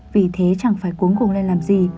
vì thế chẳng phải cuốn cùng lên làm gì